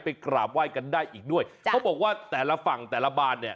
กราบไหว้กันได้อีกด้วยเขาบอกว่าแต่ละฝั่งแต่ละบานเนี่ย